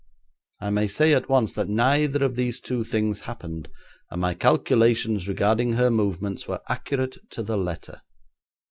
I may say at once that neither of these two things happened, and my calculations regarding her movements were accurate to the letter.